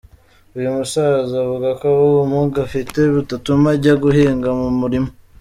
Uyu musaza avuga ko ubumuga afite butatuma ajya guhinga mu murima.